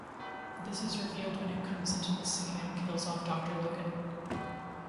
This is revealed when it comes into the scene and kills off Doctor Logan.